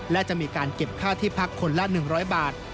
และจะมีการเก็บค่าที่พักคนละ๑๐๐บาท